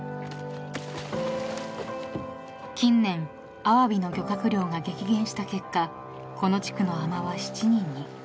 ［近年アワビの漁獲量が激減した結果この地区の海女は７人に］